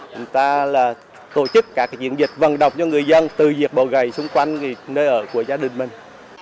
chúng ta là tổ chức cả cái diễn dịch vận động cho người dân từ diệt bỏ gãi xung quanh nơi ở của gia đình mình